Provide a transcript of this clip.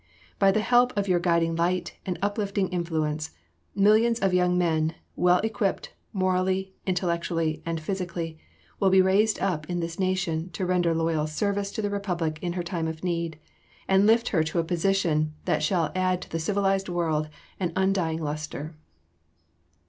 By the help of your guiding light and uplifting influence, millions of young men, well equipped, morally, intellectually, and physically, will be raised up in this nation to render loyal service to the Republic in her time of need, and lift her to a position that shall add to the civilized world an undying luster."